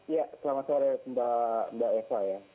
ya selamat sore mbak eva ya